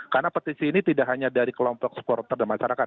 karena petisi ini tidak hanya dari kelompok supporter dan masyarakat